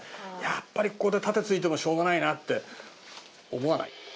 やっぱりここで盾突いてもしょうがないなって思わない？